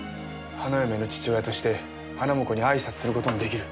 花嫁の父親として花婿に挨拶する事も出来る。